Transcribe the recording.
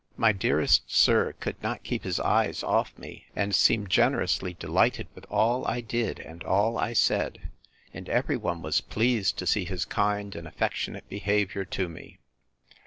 My dearest sir could not keep his eyes off me, and seemed generously delighted with all I did, and all I said; and every one was pleased to see his kind and affectionate behaviour to me.